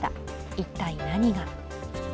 一体、何が。